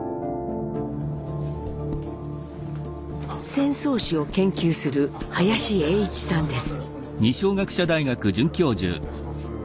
戦争史を研究する林英一さんです。